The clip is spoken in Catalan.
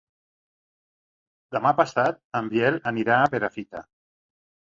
Demà passat en Biel anirà a Perafita.